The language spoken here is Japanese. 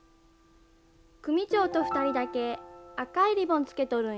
組長と２人だけ赤いリボンつけとるんよ。